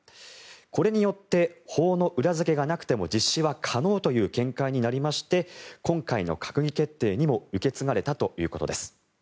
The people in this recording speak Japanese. これによって法の裏付けがなくても実施は可能という見解になりまして今回の閣議決定にも受け継がれたということです。